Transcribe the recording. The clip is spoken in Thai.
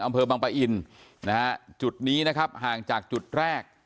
อำเภอบังปะอินนะฮะจุดนี้นะครับห่างจากจุดแรก